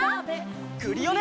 クリオネ！